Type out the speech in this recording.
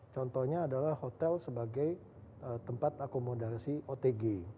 contohnya adalah hotel sebagai tempat akomodasi otg